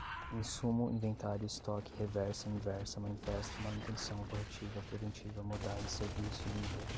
insumo inventário estoque reversa inversa manifesto manutenção corretiva preventiva modais serviço nível